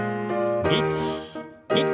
１２。